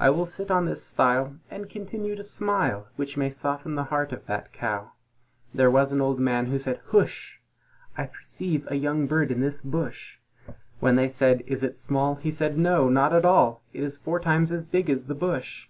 I will sit on this stile, and continue to smile, Which may soften the heart of that Cow." There was an Old Man who said, "Hush! I perceive a young bird in this bush!" When they said, "Is it small?" he replied, "Not at all; It is four times as big as the bush!"